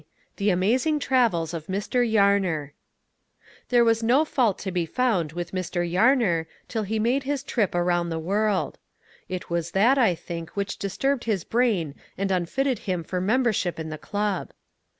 The Amazing Travels of Mr. Yarner There was no fault to be found with Mr. Yarner till he made his trip around the world. It was that, I think, which disturbed his brain and unfitted him for membership in the club.